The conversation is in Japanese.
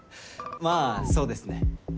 まあそうですね。